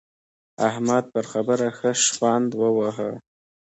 احمد پر خبره ښه شخوند وواهه.